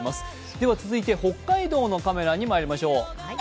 では続いて北海道のカメラにまいりましょう。